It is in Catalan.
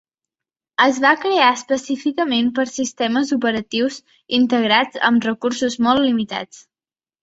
Es va crear específicament per a sistemes operatius integrats amb recursos molt limitats.